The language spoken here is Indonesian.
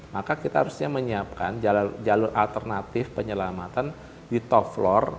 maka kita harusnya menyiapkan jalur alternatif penyelamatan di top floor